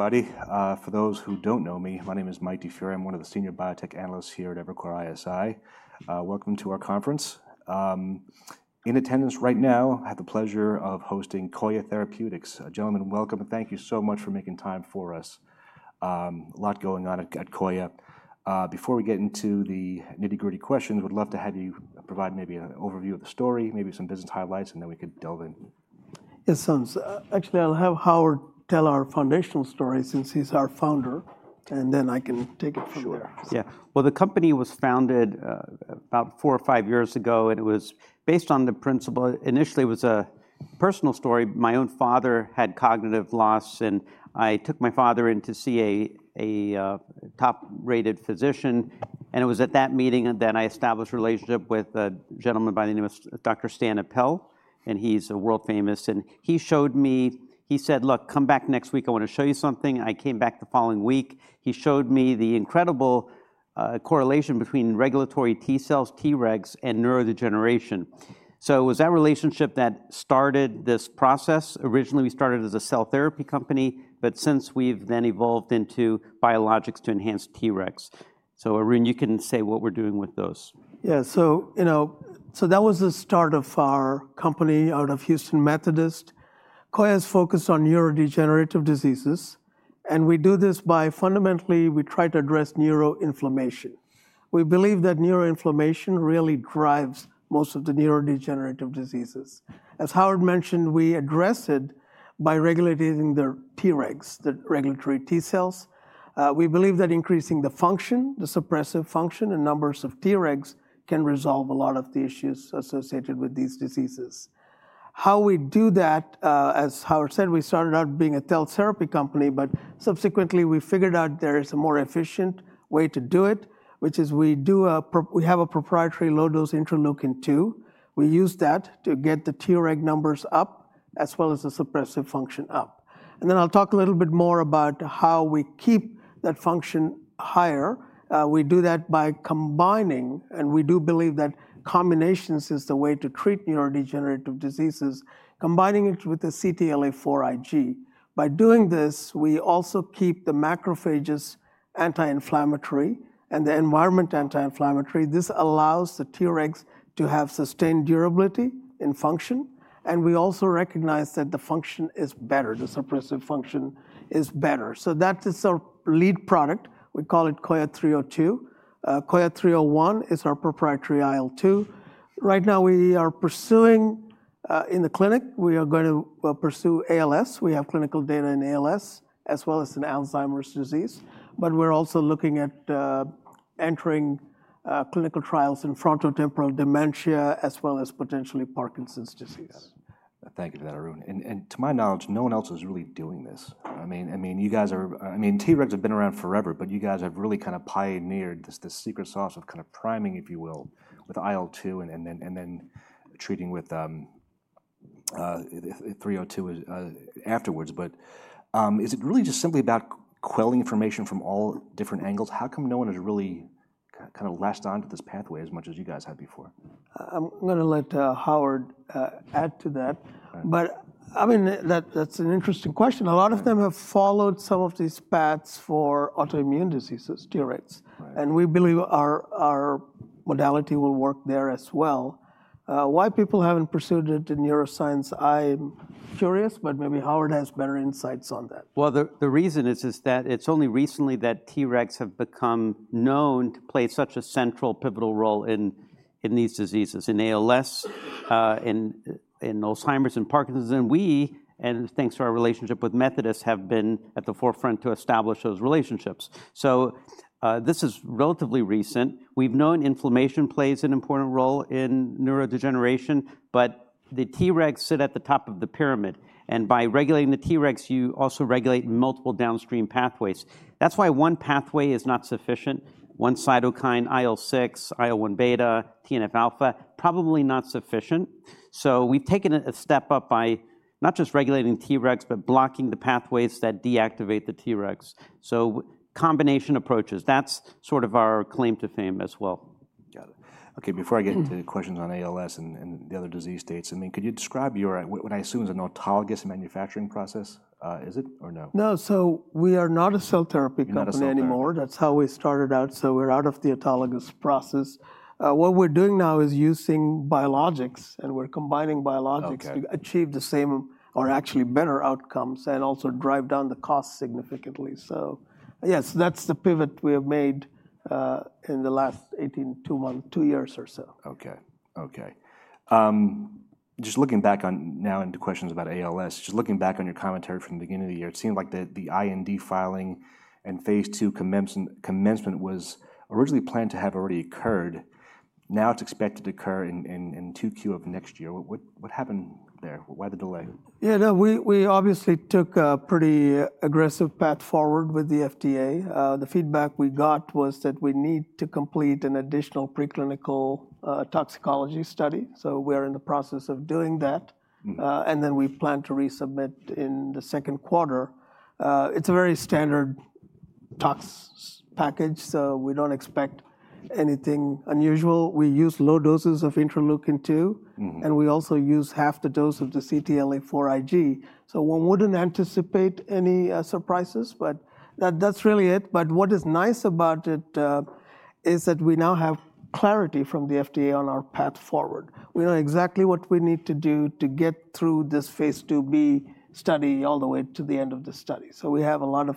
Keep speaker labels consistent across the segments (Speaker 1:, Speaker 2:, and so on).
Speaker 1: Everybody. For those who don't know me, my name is Mike DiFiore. I'm one of the senior biotech analysts here at Evercore ISI. Welcome to our conference. In attendance right now, I have the pleasure of hosting Coya Therapeutics. Gentlemen, welcome, and thank you so much for making time for us. A lot going on at Coya. Before we get into the nitty-gritty questions, we'd love to have you provide maybe an overview of the story, maybe some business highlights, and then we could delve in.
Speaker 2: Yes, soon. Actually, I'll have Howard tell our foundational story since he's our founder, and then I can take it from there.
Speaker 3: Sure. Yeah. Well, the company was founded about four or five years ago, and it was based on the principle initially it was a personal story. My own father had cognitive loss, and I took my father in to see a top-rated physician. And it was at that meeting that I established a relationship with a gentleman by the name of Dr. Stanley Appel, and he's world-famous. And he showed me he said, "Look, come back next week. I want to show you something." I came back the following week. He showed me the incredible correlation between regulatory T-cells, Tregs, and neurodegeneration. So it was that relationship that started this process. Originally, we started as a cell therapy company, but since we've then evolved into biologics to enhance Tregs. So, Arun, you can say what we're doing with those.
Speaker 2: Yeah. So that was the start of our company out of Houston Methodist. Coya is focused on neurodegenerative diseases, and we do this by fundamentally we try to address neuroinflammation. We believe that neuroinflammation really drives most of the neurodegenerative diseases. As Howard mentioned, we address it by regulating the Tregs, the regulatory T-cells. We believe that increasing the function, the suppressive function, and numbers of Tregs can resolve a lot of the issues associated with these diseases. How we do that, as Howard said, we started out being a cell therapy company, but subsequently we figured out there is a more efficient way to do it, which is we have a proprietary low-dose Interleukin-2. We use that to get the Treg numbers up as well as the suppressive function up. And then I'll talk a little bit more about how we keep that function higher. We do that by combining, and we do believe that combinations is the way to treat neurodegenerative diseases, combining it with the CTLA-4 Ig. By doing this, we also keep the macrophages anti-inflammatory and the environment anti-inflammatory. This allows the Tregs to have sustained durability in function, and we also recognize that the function is better, the suppressive function is better. So that is our lead product. We call it Coya 302. Coya 301 is our proprietary IL-2. Right now, we are pursuing in the clinic, we are going to pursue ALS. We have clinical data in ALS as well as in Alzheimer's disease, but we're also looking at entering clinical trials in frontotemporal dementia as well as potentially Parkinson's disease.
Speaker 1: Thank you for that, Arun. And to my knowledge, no one else is really doing this. I mean, you guys are I mean, Tregs have been around forever, but you guys have really kind of pioneered this secret sauce of kind of priming, if you will, with IL-2 and then treating with 302 afterwards. But is it really just simply about quelling inflammation from all different angles? How come no one has really kind of latched onto this pathway as much as you guys had before?
Speaker 2: I'm going to let Howard add to that. But I mean, that's an interesting question. A lot of them have followed some of these paths for autoimmune diseases, Tregs. And we believe our modality will work there as well. Why people haven't pursued it in neuroscience, I'm curious, but maybe Howard has better insights on that.
Speaker 3: The reason is that it's only recently that Tregs have become known to play such a central pivotal role in these diseases, in ALS, in Alzheimer's, in Parkinson's. We, and thanks to our relationship with Methodist, have been at the forefront to establish those relationships. This is relatively recent. We've known inflammation plays an important role in neurodegeneration, but the Tregs sit at the top of the pyramid. By regulating the Tregs, you also regulate multiple downstream pathways. That's why one pathway is not sufficient. One cytokine, IL-6, IL-1 beta, TNF alpha, probably not sufficient. We've taken a step up by not just regulating Tregs, but blocking the pathways that deactivate the Tregs. Combination approaches, that's sort of our claim to fame as well. Got it. Okay.
Speaker 1: Before I get into questions on ALS and the other disease states, I mean, could you describe your what I assume is an autologous manufacturing process? Is it or no?
Speaker 2: No. So we are not a cell therapy company anymore. That's how we started out. So we're out of the autologous process. What we're doing now is using biologics, and we're combining biologics to achieve the same or actually better outcomes and also drive down the cost significantly. So yes, that's the pivot we have made in the last 18, two months, two years or so.
Speaker 1: Just looking back, now into questions about ALS, just looking back on your commentary from the beginning of the year, it seemed like the IND filing and phase two commencement was originally planned to have already occurred. Now it's expected to occur in Q2 of next year. What happened there? Why the delay?
Speaker 2: Yeah. No, we obviously took a pretty aggressive path forward with the FDA. The feedback we got was that we need to complete an additional preclinical toxicology study. So we are in the process of doing that. And then we plan to resubmit in the second quarter. It's a very standard tox package, so we don't expect anything unusual. We use low doses of Interleukin-2, and we also use half the dose of the CTLA-4 Ig. So one wouldn't anticipate any surprises, but that's really it. But what is nice about it is that we now have clarity from the FDA on our path forward. We know exactly what we need to do to get through this Phase 2b study all the way to the end of the study. So we have a lot of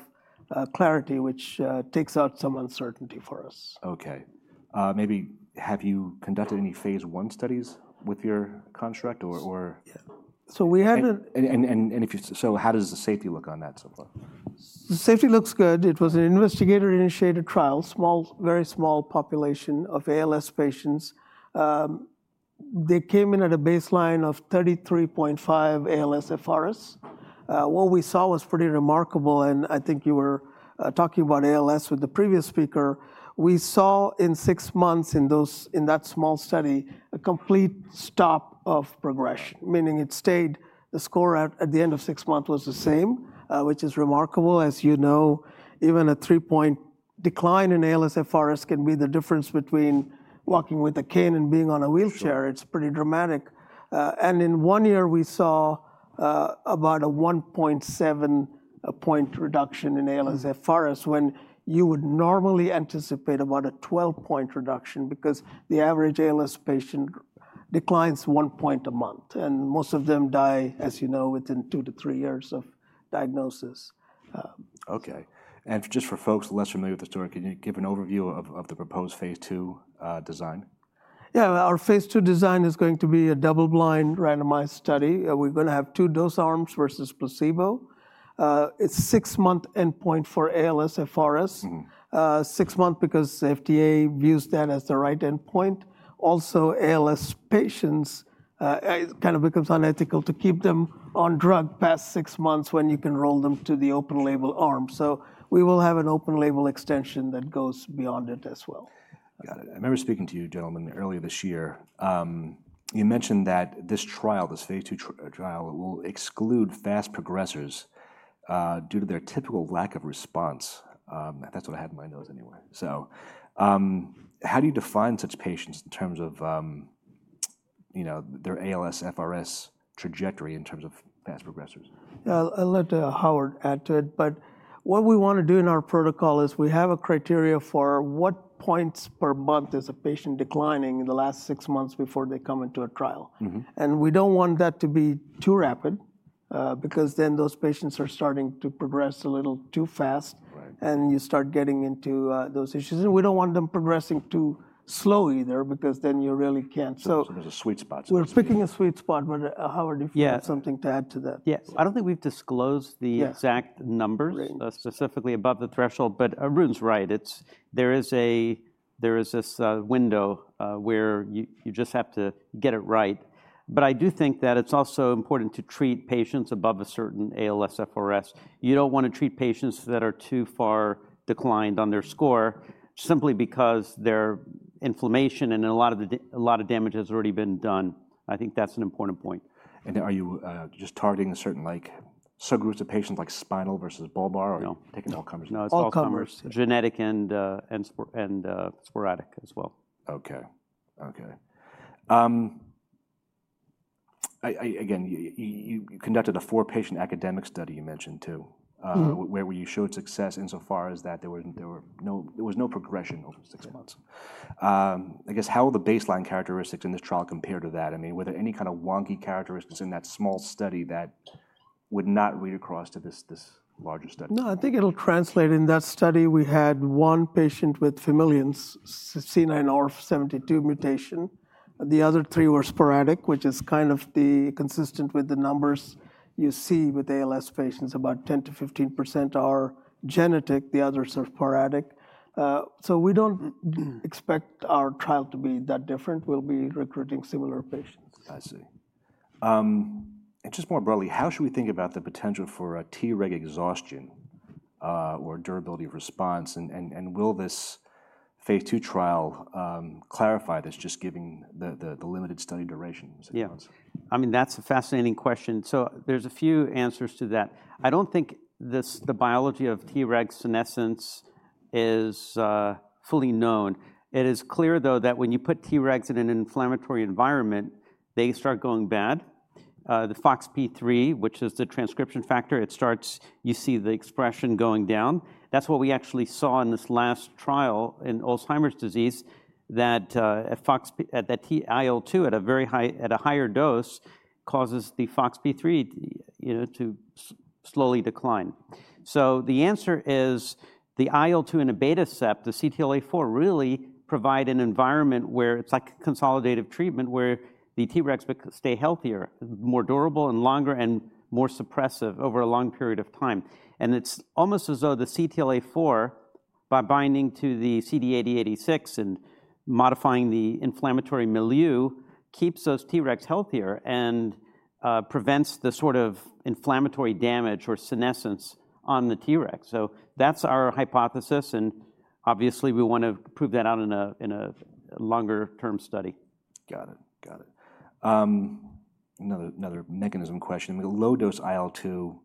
Speaker 2: clarity, which takes out some uncertainty for us.
Speaker 1: Okay. Have you conducted any phase l studies with your contractor?
Speaker 2: Yeah, so we haven't.
Speaker 1: If you so, how does the safety look on that so far?
Speaker 2: The safety looks good. It was an investigator-initiated trial, small, very small population of ALS patients. They came in at a baseline of 33.5 ALSFRS. What we saw was pretty remarkable, and I think you were talking about ALS with the previous speaker. We saw in six months in that small study a complete stop of progression, meaning it stayed the score at the end of six months was the same, which is remarkable. As you know, even a three-point decline in ALSFRS can be the difference between walking with a cane and being on a wheelchair. It's pretty dramatic, and in one year, we saw about a 1.7-point reduction in ALSFRS when you would normally anticipate about a 12-point reduction because the average ALS patient declines one point a month, and most of them die, as you know, within two to three years of diagnosis.
Speaker 1: Okay, and just for folks less familiar with the story, can you give an overview of the proposed phase two design?
Speaker 2: Yeah. Our phase ll design is going to be a double-blind randomized study. We're going to have two dose arms versus placebo. It's six-month endpoint for ALS FRS, six months because the FDA views that as the right endpoint. Also, ALS patients kind of becomes unethical to keep them on drug past six months when you can roll them to the open-label arm. So we will have an open-label extension that goes beyond it as well.
Speaker 1: Got it. I remember speaking to you, gentlemen, earlier this year. You mentioned that this trial, this phase two trial, will exclude fast progressors due to their typical lack of response. That's what I had in my notes anyway. So how do you define such patients in terms of their ALSFRS trajectory in terms of fast progressors?
Speaker 2: Yeah. I'll let Howard add to it. But what we want to do in our protocol is we have a criteria for what points per month is a patient declining in the last six months before they come into a trial. And we don't want that to be too rapid because then those patients are starting to progress a little too fast, and you start getting into those issues. And we don't want them progressing too slow either because then you really can't.
Speaker 1: There's a sweet spot.
Speaker 2: We're picking a sweet spot, but Howard, if you have something to add to that.
Speaker 3: Yes. I don't think we've disclosed the exact numbers specifically above the threshold, but Arun's right. There is this window where you just have to get it right. But I do think that it's also important to treat patients above a certain ALSFRS. You don't want to treat patients that are too far declined on their score simply because their inflammation and a lot of damage has already been done. I think that's an important point. And are you just targeting a certain subgroups of patients like spinal versus bulbar or taking all comers?
Speaker 2: No. All comers, genetic and sporadic as well.
Speaker 1: Okay. Okay. Again, you conducted a four-patient academic study you mentioned too, where you showed success insofar as that there was no progression over six months. I guess how will the baseline characteristics in this trial compare to that? I mean, were there any kind of wonky characteristics in that small study that would not read across to this larger study?
Speaker 2: No. I think it'll translate in that study. We had one patient with familial C9orf72 mutation. The other three were sporadic, which is kind of consistent with the numbers you see with ALS patients. About 10%-15% are genetic. The others are sporadic. So we don't expect our trial to be that different. We'll be recruiting similar patients.
Speaker 1: I see. And just more broadly, how should we think about the potential for Treg exhaustion or durability of response? And will this phase two trial clarify this just given the limited study duration?
Speaker 3: Yeah. I mean, that's a fascinating question. So there's a few answers to that. I don't think the biology of Treg senescence is fully known. It is clear, though, that when you put Tregs in an inflammatory environment, they start going bad. The FOXP3, which is the transcription factor, it starts, you see, the expression going down. That's what we actually saw in this last trial in Alzheimer's disease, that the IL-2 at a higher dose causes the FOXP3 to slowly decline. So the answer is the IL-2 and Abatacept, the CTLA-4, really provide an environment where it's like consolidative treatment where the Tregs stay healthier, more durable and longer and more suppressive over a long period of time. It's almost as though the CTLA-4, by binding to the CD80 and CD86 and modifying the inflammatory milieu, keeps those Tregs healthier and prevents the sort of inflammatory damage or senescence on the Tregs. That's our hypothesis. Obviously, we want to prove that out in a longer-term study.
Speaker 1: Got it. Got it. Another mechanism question. Low-dose IL-2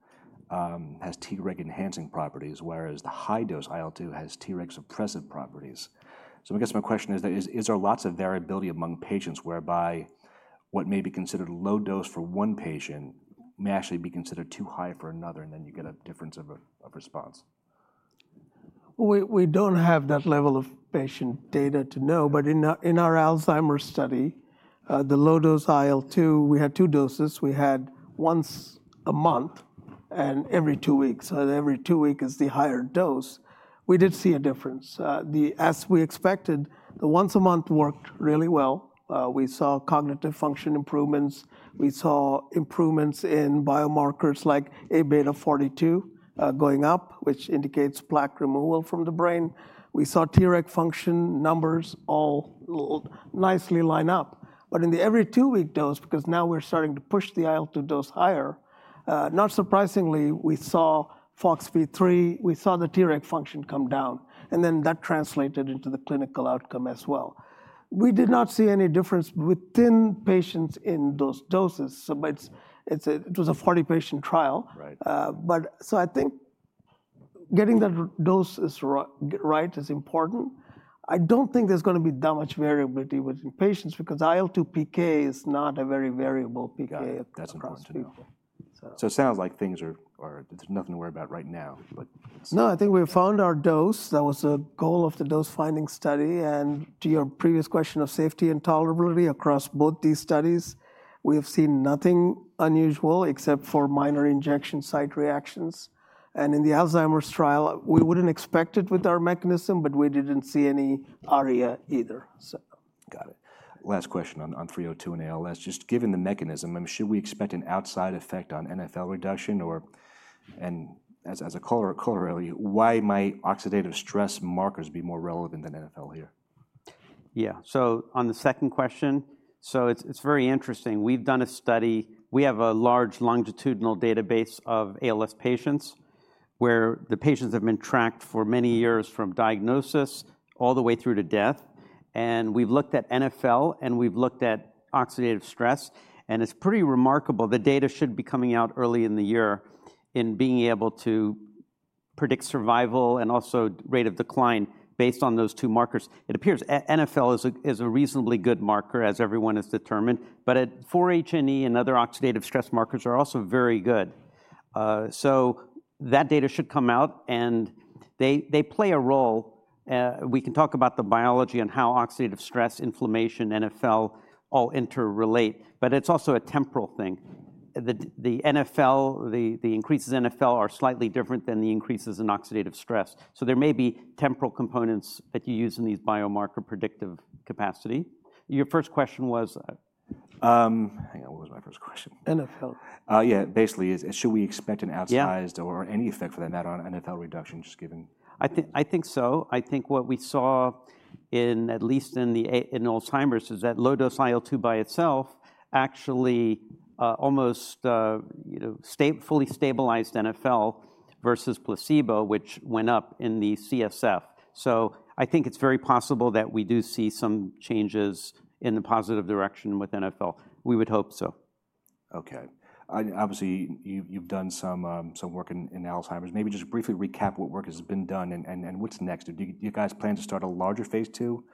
Speaker 1: has Treg enhancing properties, whereas the high-dose IL-2 has Treg suppressive properties. So I guess my question is, is there lots of variability among patients whereby what may be considered low dose for one patient may actually be considered too high for another, and then you get a difference of response?
Speaker 2: We don't have that level of patient data to know, but in our Alzheimer's study, the low-dose IL-2, we had two doses. We had once a month and every two weeks. So every two weeks is the higher dose. We did see a difference. As we expected, the once a month worked really well. We saw cognitive function improvements. We saw improvements in biomarkers like A beta 42 going up, which indicates plaque removal from the brain. We saw Treg function numbers all nicely line up. But in the every two-week dose, because now we're starting to push the IL-2 dose higher, not surprisingly, we saw FOXP3, we saw the Treg function come down. And then that translated into the clinical outcome as well. We did not see any difference within patients in those doses. So it was a 40-patient trial. So I think getting the dose right is important. I don't think there's going to be that much variability within patients because IL-2 PK is not a very variable PK across people.
Speaker 1: So it sounds like things are. There's nothing to worry about right now.
Speaker 2: No. I think we found our dose. That was the goal of the dose-finding study. And to your previous question of safety and tolerability across both these studies, we have seen nothing unusual except for minor injection site reactions. And in the Alzheimer's trial, we wouldn't expect it with our mechanism, but we didn't see any ARIA either.
Speaker 1: Got it. Last question on 302 and ALS. Just given the mechanism, should we expect an outside effect on NFL reduction? And as a color earlier, why might oxidative stress markers be more relevant than NFL here?
Speaker 3: Yeah. So on the second question, so it's very interesting. We've done a study. We have a large longitudinal database of ALS patients where the patients have been tracked for many years from diagnosis all the way through to death. And we've looked at NfL, and we've looked at oxidative stress. And it's pretty remarkable. The data should be coming out early in the year in being able to predict survival and also rate of decline based on those two markers. It appears NfL is a reasonably good marker as everyone has determined, but 4-HNE and other oxidative stress markers are also very good. So that data should come out, and they play a role. We can talk about the biology and how oxidative stress, inflammation, NfL all interrelate, but it's also a temporal thing. The increases in NfL are slightly different than the increases in oxidative stress. There may be temporal components that you use in these biomarker predictive capacity. Your first question was.
Speaker 1: Hang on. What was my first question?
Speaker 2: NFL.
Speaker 1: Yeah. Basically, should we expect an outsized or any effect for that matter on NfL reduction just given?
Speaker 3: I think so. I think what we saw in at least Alzheimer's is that low-dose IL-2 by itself actually almost fully stabilized NfL versus placebo, which went up in the CSF. So I think it's very possible that we do see some changes in the positive direction with NfL. We would hope so.
Speaker 1: Okay. Obviously, you've done some work in Alzheimer's. Maybe just briefly recap what work has been done and what's next. Do you guys plan to start a larger phase two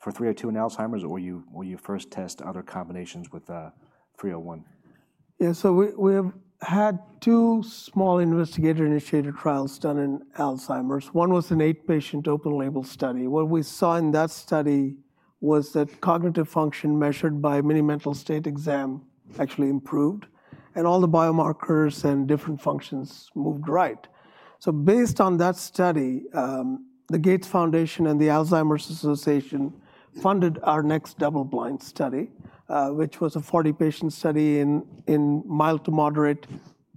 Speaker 1: for 302 and Alzheimer's, or will you first test other combinations with 301?
Speaker 2: Yeah. So we have had two small investigator-initiated trials done in Alzheimer's. One was an eight-patient open-label study. What we saw in that study was that cognitive function measured by Mini-Mental State Exam actually improved, and all the biomarkers and different functions moved right. So based on that study, the Gates Foundation and the Alzheimer's Association funded our next double-blind study, which was a 40-patient study in mild to moderate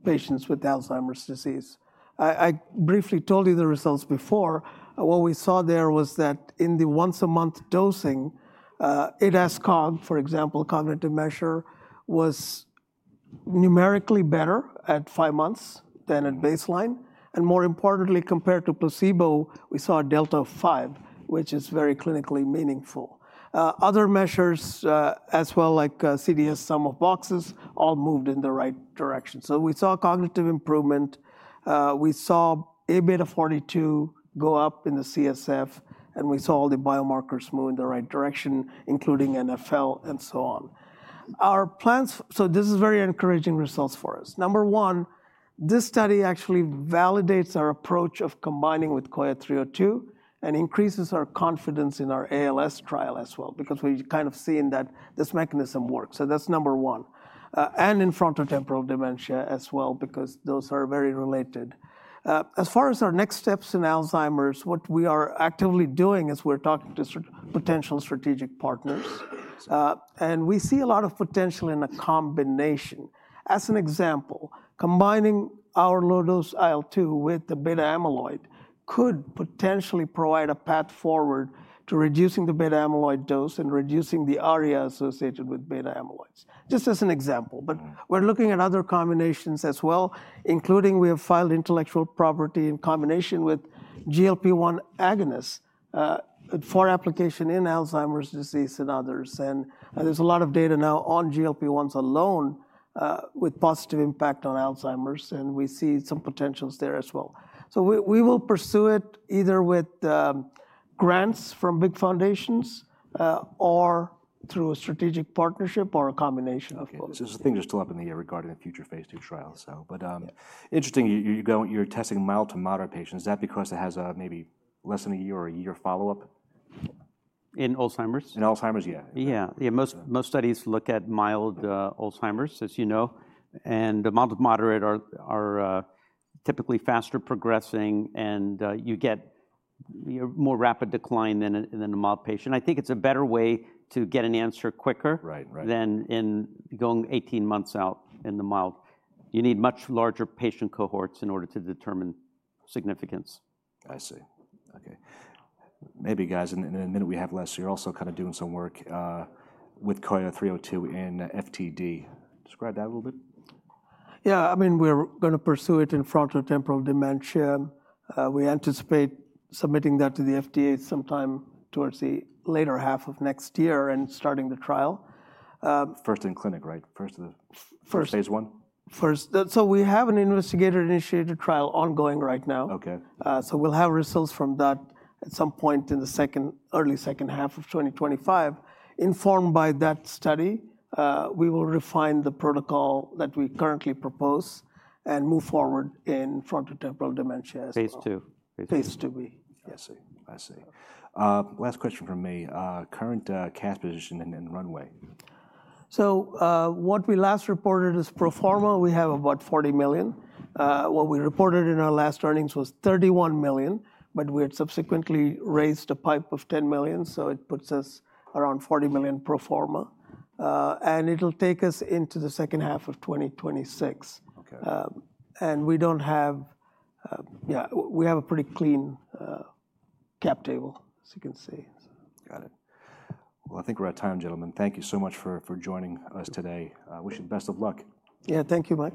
Speaker 2: patients with Alzheimer's disease. I briefly told you the results before. What we saw there was that in the once-a-month dosing, ADAS-Cog, for example, cognitive measure, was numerically better at five months than at baseline. And more importantly, compared to placebo, we saw a delta of five, which is very clinically meaningful. Other measures as well, like CDR sum of boxes, all moved in the right direction. So we saw cognitive improvement. We saw A beta 42 go up in the CSF, and we saw all the biomarkers move in the right direction, including NfL and so on. So this is very encouraging results for us. Number one, this study actually validates our approach of combining with Coya 302 and increases our confidence in our ALS trial as well because we've kind of seen that this mechanism works. So that's number one. And in frontotemporal dementia as well because those are very related. As far as our next steps in Alzheimer's, what we are actively doing is we're talking to potential strategic partners. And we see a lot of potential in a combination. As an example, combining our low-dose IL-2 with the beta amyloid could potentially provide a path forward to reducing the beta amyloid dose and reducing the ARIA associated with beta amyloids, just as an example. But we're looking at other combinations as well, including we have filed intellectual property in combination with GLP-1 agonists for application in Alzheimer's disease and others. And there's a lot of data now on GLP-1s alone with positive impact on Alzheimer's, and we see some potentials there as well. So we will pursue it either with grants from big foundations or through a strategic partnership or a combination of both.
Speaker 1: There's a thing just too up in the air regarding the future phase 2 trial. But interesting, you're testing mild to moderate patients. Is that because it has maybe less than a year or a year follow-up?
Speaker 3: In Alzheimer's?
Speaker 1: In Alzheimer's, yeah.
Speaker 3: Yeah. Yeah. Most studies look at mild Alzheimer's, as you know, and the mild to moderate are typically faster progressing, and you get more rapid decline than in a mild patient. I think it's a better way to get an answer quicker than in going 18 months out in the mild. You need much larger patient cohorts in order to determine significance.
Speaker 1: I see. Okay. Maybe, guys, in a minute we have less. You're also kind of doing some work with Coya 302 in FTD. Describe that a little bit.
Speaker 2: Yeah. I mean, we're going to pursue it in frontotemporal dementia. We anticipate submitting that to the FDA sometime towards the later half of next year and starting the trial.
Speaker 1: First in clinic, right? First of the phase one?
Speaker 2: First, we have an investigator-initiated trial ongoing right now. We'll have results from that at some point in the early second half of 2025. Informed by that study, we will refine the protocol that we currently propose and move forward in frontotemporal dementia.
Speaker 1: Phase two.
Speaker 2: Phase two.
Speaker 1: phase two. I see. I see. Last question from me. Current cash position and runway.
Speaker 2: So what we last reported is pro forma. We have about $40 million. What we reported in our last earnings was $31 million, but we had subsequently raised a PIPE of $10 million. So it puts us around $40 million pro forma. And it'll take us into the second half of 2026. And we don't have. Yeah, we have a pretty clean cap table, as you can see.
Speaker 1: Got it. Well, I think we're out of time, gentlemen. Thank you so much for joining us today. Wishing best of luck.
Speaker 2: Yeah. Thank you, Mike.